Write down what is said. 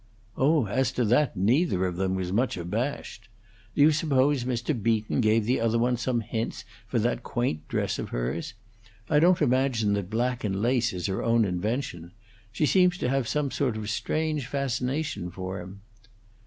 "Oh, as to that, neither of them was much abashed. Do you suppose Mr. Beaton gave the other one some hints for that quaint dress of hers? I don't imagine that black and lace is her own invention. She seems to have some sort of strange fascination for him."